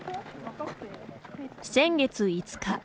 先月５日。